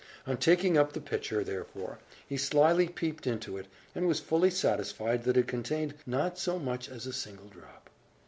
On taking up the pitcher, therefore, he slyly peeped into it, and was fully satisfied that it contained not so much as a single drop.